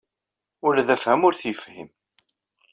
Ula d afham ur t-yefhim.